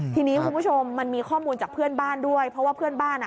ทีนี้คุณผู้ชมมันมีข้อมูลจากเพื่อนบ้านด้วยเพราะว่าเพื่อนบ้านอ่ะ